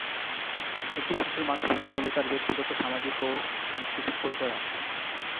একটি শিশুর মাতৃভাষা হল তার ব্যক্তিগত, সামাজিক ও সাংস্কৃতিক পরিচয়ের অংশ।